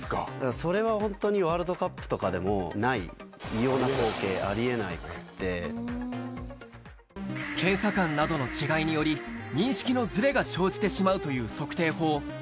それは本当にワールドカップとかでもない、検査官などの違いにより、認識のずれが生じてしまうという測定法。